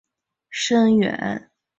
此举动对本线的影响极为深远。